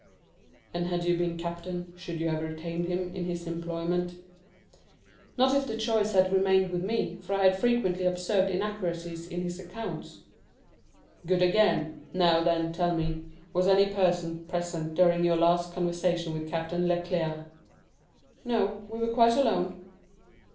"And had you been captain, should you have retained him in his employment?" "Not if the choice had remained with me, for I had frequently observed inaccuracies in his accounts." "Good again! Now then, tell me, was any person present during your last conversation with Captain Leclere?" "No; we were quite alone."